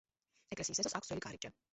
ეკლესიის ეზოს აქვს ძველი კარიბჭე.